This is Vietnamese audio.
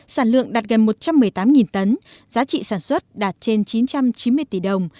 sản lượng đạt gần một trăm một mươi tám tấn giá trị sản xuất đạt trên chín trăm chín mươi tỷ đồng